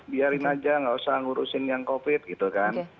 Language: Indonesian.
biarin aja nggak usah ngurusin yang covid gitu kan